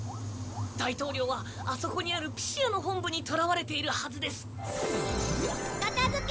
大統領はあそこにあるピシアの本部に捕われているはずです。